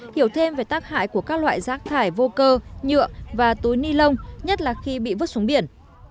hiểu thêm về tác hại của các loại rác thải vô cơ nhựa và túi ni lông nhất là khi bị vứt xuống biển